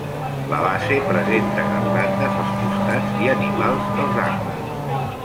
La base presenta garlandes als costats i animals als angles.